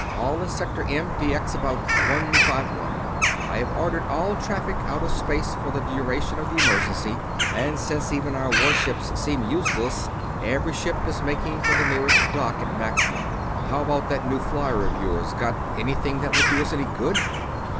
All in Sector M, Dx about 151. I have ordered all traffic out of space for the duration of the emergency, and since even our warships seem useless, every ship is making for the nearest dock at maximum. How about that new flyer of yours got anything that will do us any good?"